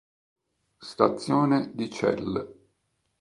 Stazione di Celle